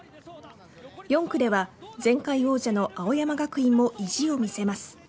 ４区では前回王者の青山学院も意地を見せます。